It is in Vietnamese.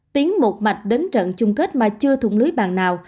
tiến một mạch đến trận chung kết mà chưa thụng lưới bàn nào